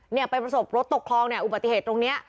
เนี่ยไปประสบรถตกคลองเนี่ยอุบัติเหตุตรงนี้